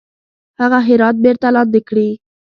هغه هرات بیرته لاندي کړي.